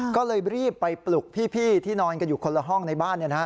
ก็เลยรีบไปปลุกพี่ที่นอนกันอยู่คนละห้องในบ้าน